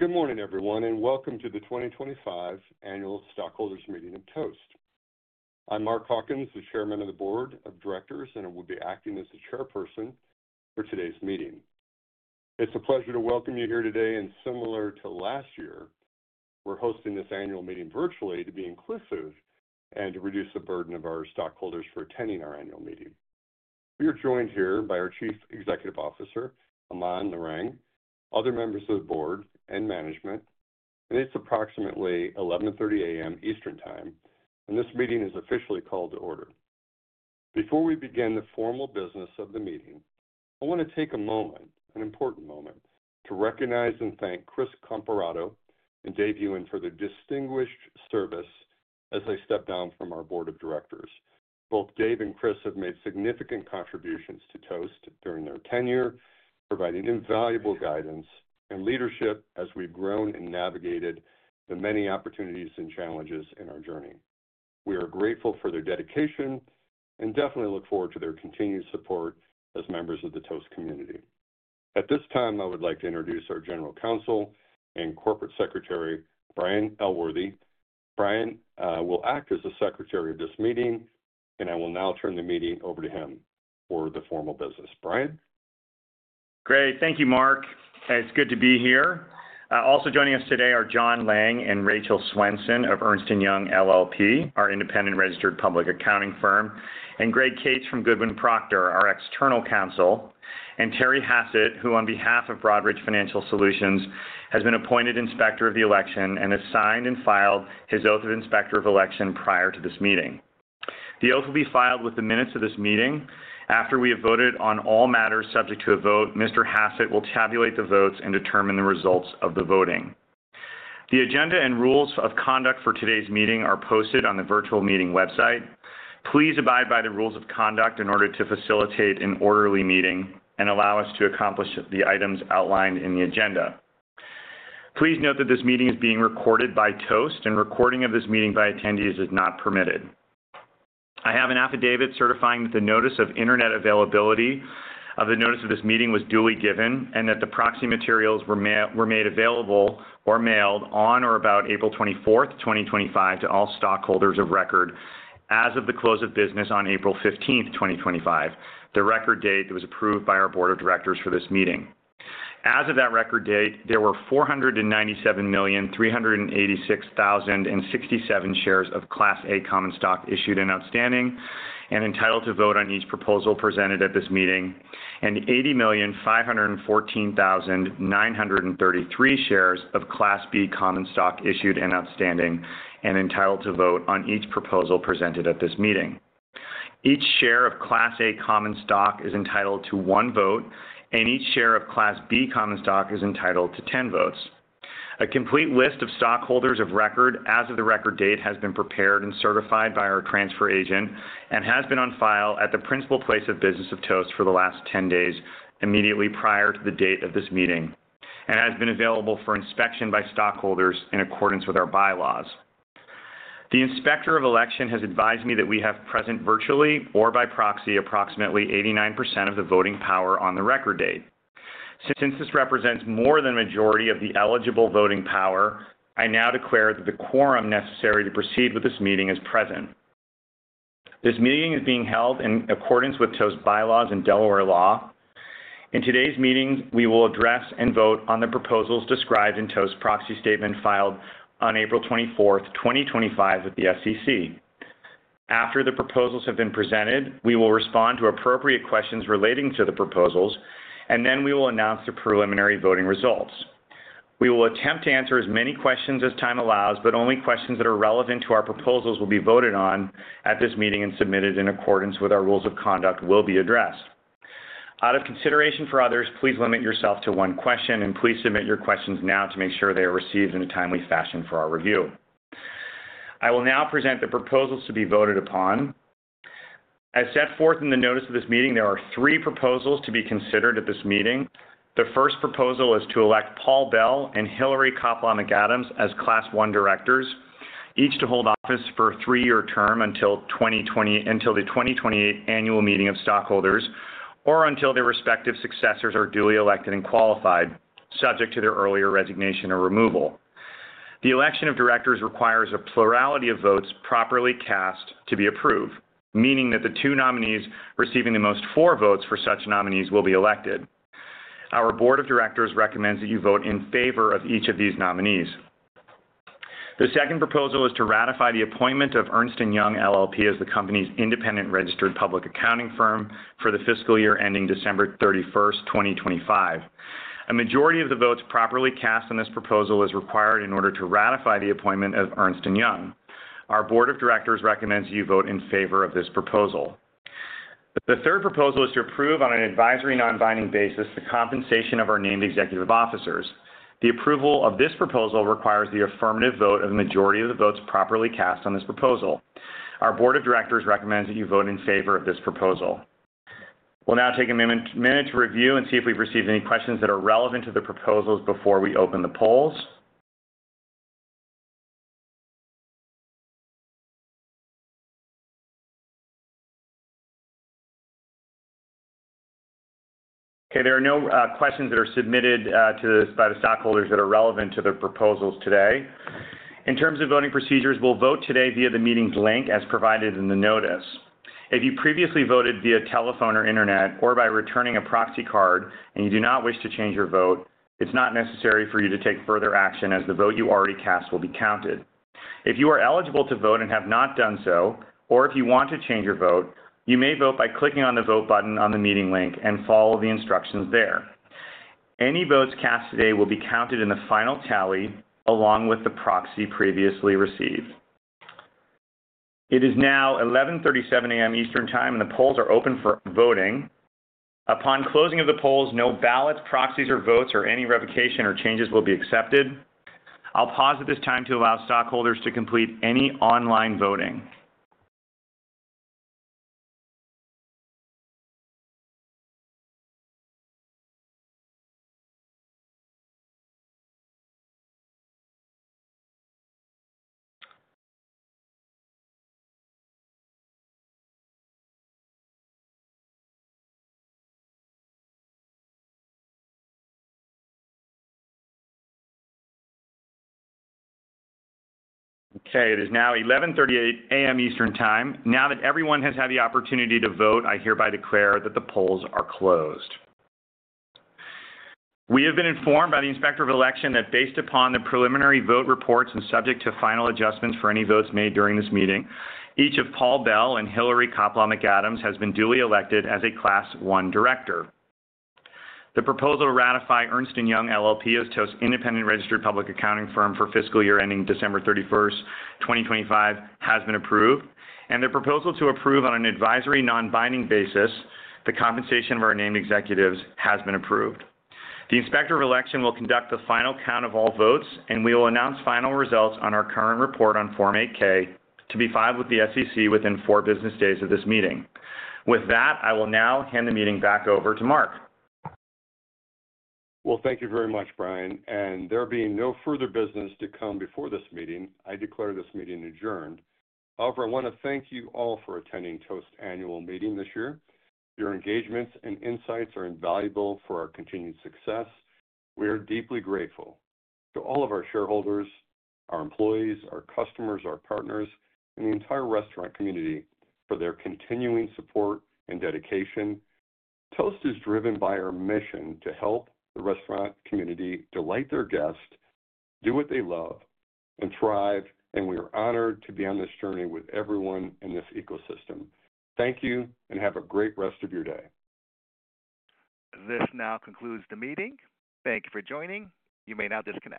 Good morning, everyone, and welcome to the 2025 Annual Stockholders' Meeting of Toast. I'm Mark Hawkins, the Chairman of the Board of Directors, and I will be acting as the Chairperson for today's meeting. It's a pleasure to welcome you here today, and similar to last year, we're hosting this annual meeting virtually to be inclusive and to reduce the burden of our stockholders for attending our annual meeting. We are joined here by our Chief Executive Officer, Aman Narang, other members of the board, and management. It's approximately 11:30 A.M. Eastern Time, and this meeting is officially called to order. Before we begin the formal business of the meeting, I want to take a moment, an important moment, to recognize and thank Chris Comparato and Dave Ewen for their distinguished service as they step down from our Board of Directors. Both Dave and Chris have made significant contributions to Toast during their tenure, providing invaluable guidance and leadership as we've grown and navigated the many opportunities and challenges in our journey. We are grateful for their dedication and definitely look forward to their continued support as members of the Toast community. At this time, I would like to introduce our General Counsel and Corporate Secretary, Brian Elworthy. Brian will act as the Secretary of this meeting, and I will now turn the meeting over to him for the formal business. Brian? Great. Thank you, Mark. It's good to be here. Also joining us today are Jon Lang and Rachel Swenson of Ernst & Young LLP, our independent registered public accounting firm, and Greg Cates from Goodwin Procter, our External Counsel, and Terry Hassett, who, on behalf of Broadridge Financial Solutions, has been appointed Inspector of Election and has signed and filed his oath of Inspector of Election prior to this meeting. The oath will be filed with the minutes of this meeting. After we have voted on all matters subject to a vote, Mr. Hassett will tabulate the votes and determine the results of the voting. The agenda and rules of conduct for today's meeting are posted on the virtual meeting website. Please abide by the rules of conduct in order to facilitate an orderly meeting and allow us to accomplish the items outlined in the agenda. Please note that this meeting is being recorded by Toast, and recording of this meeting by attendees is not permitted. I have an affidavit certifying that the notice of internet availability of the notice of this meeting was duly given and that the proxy materials were made available or mailed on or about April 24, 2025, to all stockholders of record as of the close of business on April 15, 2025, the record date that was approved by our Board of Directors for this meeting. As of that record date, there were 497,386,067 shares of Class A Common Stock issued and outstanding and entitled to vote on each proposal presented at this meeting, and 80,514,933 shares of Class B Common Stock issued and outstanding and entitled to vote on each proposal presented at this meeting. Each share of Class A Common Stock is entitled to 1 vote, and each share of Class B Common Stock is entitled to 10 votes. A complete list of stockholders of record as of the record date has been prepared and certified by our transfer agent and has been on file at the principal place of business of Toast for the last 10 days immediately prior to the date of this meeting and has been available for inspection by stockholders in accordance with our bylaws. The Inspector of Election has advised me that we have present virtually or by proxy approximately 89% of the voting power on the record date. Since this represents more than a majority of the eligible voting power, I now declare that the quorum necessary to proceed with this meeting is present. This meeting is being held in accordance with Toast bylaws and Delaware law. In today's meeting, we will address and vote on the proposals described in Toast's proxy statement filed on April 24, 2025, with the SEC. After the proposals have been presented, we will respond to appropriate questions relating to the proposals, and then we will announce the preliminary voting results. We will attempt to answer as many questions as time allows, but only questions that are relevant to our proposals will be voted on at this meeting and submitted in accordance with our rules of conduct will be addressed. Out of consideration for others, please limit yourself to 1 question, and please submit your questions now to make sure they are received in a timely fashion for our review. I will now present the proposals to be voted upon. As set forth in the notice of this meeting, there are three proposals to be considered at this meeting. The first proposal is to elect Paul Bell and Hillary Koppelman Adams as Class 1 directors, each to hold office for a three-year term until the 2028 annual meeting of stockholders or until their respective successors are duly elected and qualified, subject to their earlier resignation or removal. The election of directors requires a plurality of votes properly cast to be approved, meaning that the 2 nominees receiving the most votes for such nominees will be elected. Our Board of Directors recommends that you vote in favor of each of these nominees. The second proposal is to ratify the appointment of Ernst & Young LLP as the company's independent registered public accounting firm for the fiscal year ending December 31, 2025. A majority of the votes properly cast on this proposal is required in order to ratify the appointment of Ernst & Young. Our Board of Directors recommends that you vote in favor of this proposal. The third proposal is to approve on an advisory non-binding basis the compensation of our named executive officers. The approval of this proposal requires the affirmative vote of a majority of the votes properly cast on this proposal. Our Board of Directors recommends that you vote in favor of this proposal. We'll now take a minute to review and see if we've received any questions that are relevant to the proposals before we open the polls. Okay. There are no questions that are submitted by the stockholders that are relevant to the proposals today. In terms of voting procedures, we'll vote today via the meeting's link as provided in the notice. If you previously voted via telephone or internet or by returning a proxy card and you do not wish to change your vote, it's not necessary for you to take further action as the vote you already cast will be counted. If you are eligible to vote and have not done so, or if you want to change your vote, you may vote by clicking on the vote button on the meeting link and follow the instructions there. Any votes cast today will be counted in the final tally along with the proxy previously received. It is now 11:37 A.M. Eastern Time, and the polls are open for voting. Upon closing of the polls, no ballots, proxies, or votes, or any revocation or changes will be accepted. I'll pause at this time to allow stockholders to complete any online voting. Okay. It is now 11:38 A.M. Eastern Time. Now that everyone has had the opportunity to vote, I hereby declare that the polls are closed. We have been informed by the Inspector of Election that based upon the preliminary vote reports and subject to final adjustments for any votes made during this meeting, each of Paul Bell and Hillary Koppelman Adams has been duly elected as a Class 1 director. The proposal to ratify Ernst & Young LLP as Toast's independent registered public accounting firm for fiscal year ending December 31, 2025, has been approved, and the proposal to approve on an advisory non-binding basis the compensation of our named executives has been approved. The Inspector of Election will conduct the final count of all votes, and we will announce final results on our current report on Form 8-K to be filed with the SEC within 4 business days of this meeting. With that, I will now hand the meeting back over to Mark. Thank you very much, Brian. There being no further business to come before this meeting, I declare this meeting adjourned. However, I want to thank you all for attending Toast's annual meeting this year. Your engagements and insights are invaluable for our continued success. We are deeply grateful to all of our shareholders, our employees, our customers, our partners, and the entire restaurant community for their continuing support and dedication. Toast is driven by our mission to help the restaurant community delight their guests, do what they love, and thrive, and we are honored to be on this journey with everyone in this ecosystem. Thank you and have a great rest of your day. This now concludes the meeting. Thank you for joining. You may now disconnect.